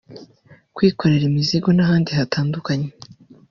kwikorera imizigo n’ahandi hatandukanye